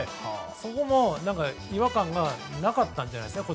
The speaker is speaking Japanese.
そこも違和感がなかったんじゃないですかね。